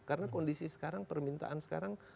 karena kondisi sekarang permintaan sekarang